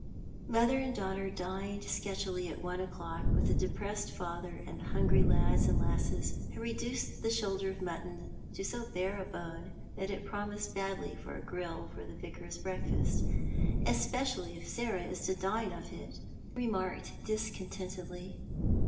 Mother and daughter dined sketchily at one o'clock with the depressed father and the hungry lads and lasses, who reduced the shoulder of mutton to so bare a bone that it promised badly for a grill for the Yicar's breakfast —" especially if Sarah is to dine off it," he remarked discontentedly.